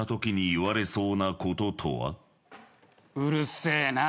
うるせえな！